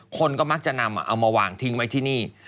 คนก็มักจะนำเอามาวางทิ้งไว้ที่นี่